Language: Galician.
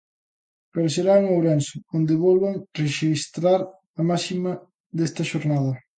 Pero será en Ourense onde volvan rexistrar a máxima desta xornada.